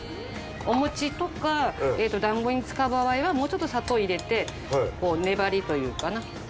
お餅とか団子に使う場合はもうちょっと砂糖入れてこう粘りというかな。